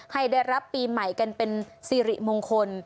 ให้ได้รับปีใหม่กันเป็นสิริมงคล